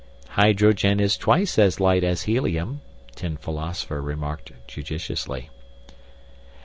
"Hydrogen is twice as light as helium," Tin Philosopher remarked judiciously.